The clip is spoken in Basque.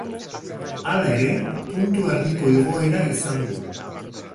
Hala ere, puntu erdiko igoera izan du.